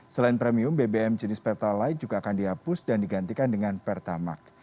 selain premium bbm jenis pertalite juga akan dihapus dan digantikan dengan pertamak